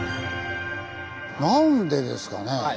なんでですかね？